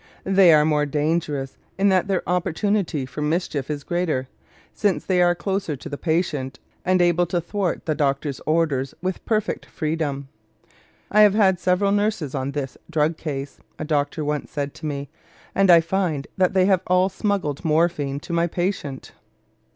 They are more dangerous in that their opportunity for mischief is greater, since they are closer to the patient and able to thwart the doctor's orders with perfect freedom. "I have had several nurses on this drug case," a doctor once said to me, "and I find that they have all smuggled morphine to my patient."